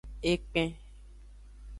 Ekpen.